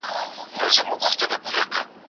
زه بايد امادګي ونيسم،